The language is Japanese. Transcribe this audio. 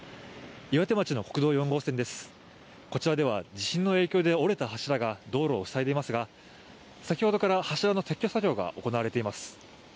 こちらでは地震の影響で折れた柱が道路をふさいでいますが先ほどから柱の撤去作業が行われています。